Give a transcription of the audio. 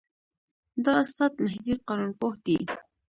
دا استاد مهدي قانونپوه دی.